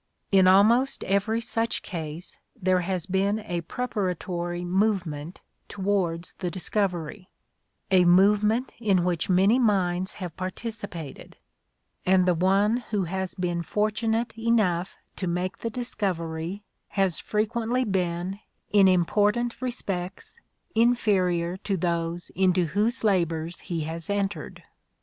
In almost every such case there has been a preparatory movement towards the discovery ; a movement in which many minds have participated ; and the one who has been fortunate enough to make the discovery has frequently been, in important respects, inferior to those into whose labours he has entered.